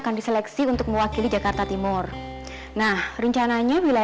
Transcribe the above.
aku kasih sni